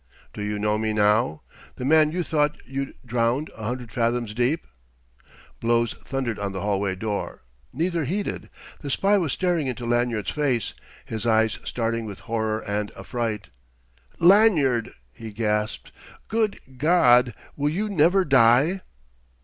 "Do you know me now the man you thought you'd drowned a hundred fathoms deep?" Blows thundered on the hallway door. Neither heeded. The spy was staring into Lanyard's face, his eyes starting with horror and affright. "Lanyard!" he gasped. "Good God! will you never die?"